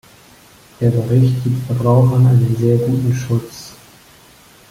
Der Bericht gibt Verbrauchern einen sehr guten Schutz.